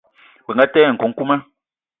Bënga telé nkukuma.